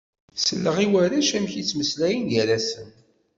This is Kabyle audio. Selleɣ i warrac amek i ttmeslayen gar-asen.